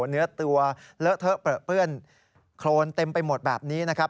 เนื้อตัวเลอะเทอะเปลือเปื้อนโครนเต็มไปหมดแบบนี้นะครับ